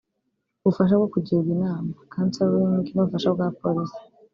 ubufasha bwo kugirwa inama (counseling) n’ubufasha bwa Polisi